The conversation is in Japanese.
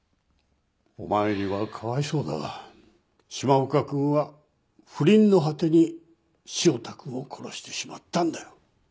お前にはかわいそうだが島岡君は不倫の果てに汐田君を殺してしまったんだよ。